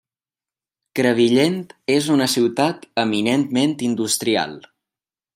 Crevillent és una ciutat eminentment industrial.